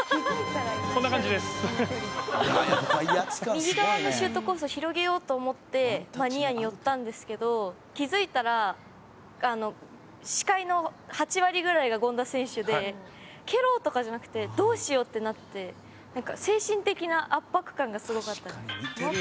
右側のシュートコースを広げようと思ってニアに寄ったんですけど気付いたら視界の８割ぐらいが権田選手で蹴ろうとかじゃなくてどうしようってなって精神的な圧迫感がすごかったです。